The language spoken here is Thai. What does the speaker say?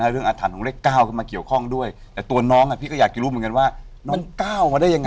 เรื่องอัฐานของเลข๙ขึ้นมาเกี่ยวข้องด้วยแต่ตัวน้องพี่ก็อยากรู้เหมือนกันว่าน้อง๙มาได้ยังไง